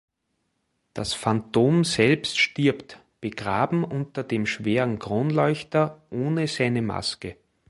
Das Phantom selbst stirbt, begraben unter dem schweren Kronleuchter, ohne seine Maske.